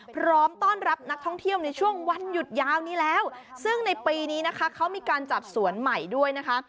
พร้อมต้อนรับนักท่องเที่ยวในช่วงวันหยุดยาวนี้แล้วซึ่งในปีนี้นะคะเขามีการจัดสวนใหม่ด้วยนะคะ